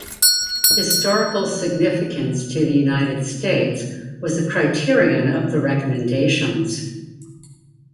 Historical significance to the United States was a criterion of the recommendations.